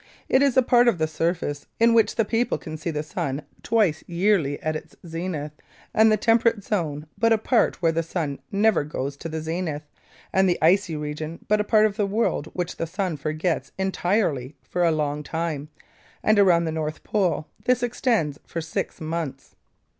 It is a part of the surface in which the people can see the sun twice yearly at its zenith, and the temperate zone but a part where the sun never goes to the zenith, and the icy region but a part of the world which the sun forgets entirely for a long time, and around the North Pole this extends for six months.